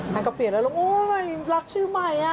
ท่านก็เปลี่ยนแล้วลุงโอ๊ยรักชื่อใหม่